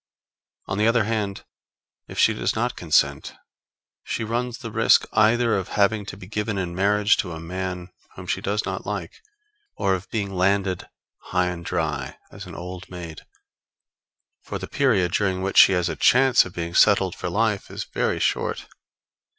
On the other hand, if she does not consent, she runs the risk either of having to be given in marriage to a man whom she does not like, or of being landed high and dry as an old maid; for the period during which she has a chance of being settled for life is very short.